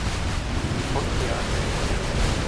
Olympiády.